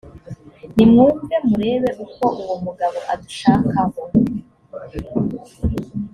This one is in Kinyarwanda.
nimwumve murebe uko uwo mugabo adushakaho